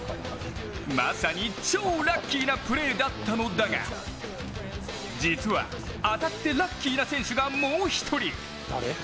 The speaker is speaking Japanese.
まさに超ラッキーなプレーだったのだが、実は、当たってラッキーな選手がもう一人。